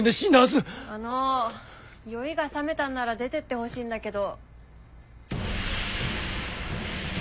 あのう酔いがさめたんなら出てってほしいんだけど。